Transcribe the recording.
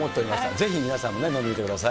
ぜひ皆さんもね、飲んでみてください。